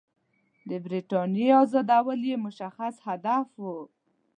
د برټانیې آزادول یې مشخص هدف وو.